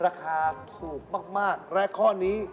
ราคาถูกมากและข้อนี้